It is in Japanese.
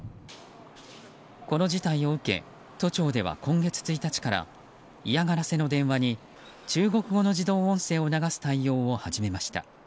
この事態を受け、都庁では今月１日から嫌がらせの電話に中国語の自動音声を流す対応を始めました。